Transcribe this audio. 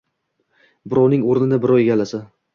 birovning o’rnini birov egallasa.